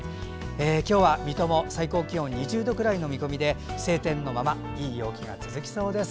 今日は水戸も最高気温２０度くらいの見込みで晴天のままいい陽気が続きそうです。